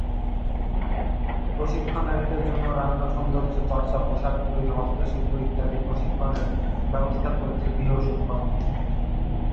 প্রশিক্ষণনারীদের জন্য রান্না, সৌন্দর্যচর্চা, পোশাক তৈরি, হস্তশিল্প ইত্যাদি প্রশিক্ষণের ব্যবস্থা করেছে গৃহসুখন।